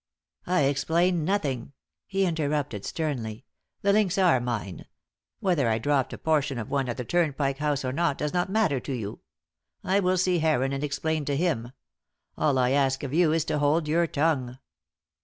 "I explain nothing," he interrupted, sternly. "The links are mine. Whether I dropped a portion of one at the Turnpike House or not does not matter to you. I will see Heron and explain to him. All I ask of you is to hold your tongue."